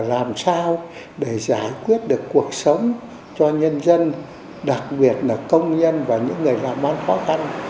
làm sao để giải quyết được cuộc sống cho nhân dân đặc biệt là công nhân và những người làm bán khó khăn